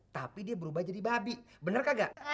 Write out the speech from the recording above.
tapi dia berubah jadi babi bener kagak